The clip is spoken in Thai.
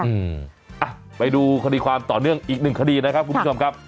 อืมอ่ะไปดูคดีความต่อเนื่องอีกหนึ่งคดีนะครับคุณผู้ชมครับ